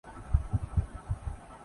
میں نے مشورہ دیا